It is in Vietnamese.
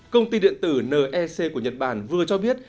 công ty điện tử nec của nhật bản vừa cho biết